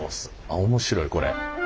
あっ面白いこれ。